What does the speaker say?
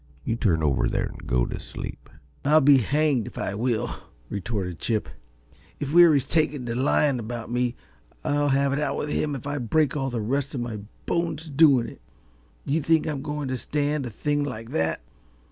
You turn over there an' go t' sleep." "I'll be hanged if I will!" retorted Chip. "If Weary's taken to lying about me I'll have it out with him if I break all the rest of my bones doing it. Do you think I'm going to stand a thing like that?